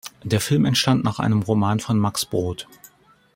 Der Film entstand nach einem Roman von Max Brod.